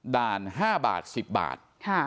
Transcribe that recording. ด่าน๕บาท๑๐บาท